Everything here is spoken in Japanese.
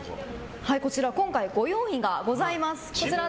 今回ご用意がございます。